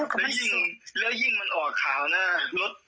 ก็เลือกที่จะไปอายัดเองอย่างยิ่งมันออกข่าวหน้ารถ